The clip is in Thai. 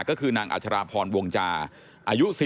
ก็คือนางอัชราพรวงจาอายุ๔๐